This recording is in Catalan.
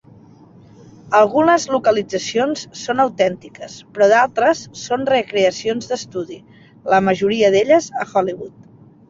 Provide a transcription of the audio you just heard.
Algunes localitzacions són autèntiques, però d'altres són recreacions d'estudi, la majoria d'elles a Hollywood.